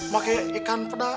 maka ikan peda